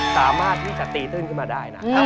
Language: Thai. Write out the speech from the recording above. สามารถที่จะตีตื้นขึ้นมาได้นะครับ